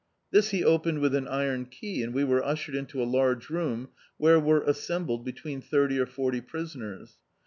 This he opened with an iron key, and we were ushered into a laige room, where were assembled between thirty or forty prisoners.